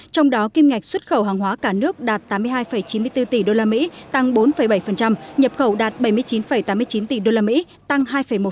trong đó kim ngạch xuất khẩu hàng hóa cả nước đạt tám mươi hai chín mươi bốn tỷ usd tăng bốn bảy nhập khẩu đạt bảy mươi chín tám mươi chín tỷ usd tăng hai một